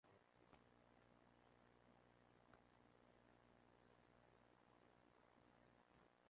Cada uno de ellos evoca la escena de una forma diferente.